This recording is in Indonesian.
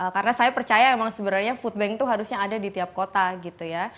karena saya percaya emang sebenarnya foodbank itu harusnya ada di tiap kota gitu ya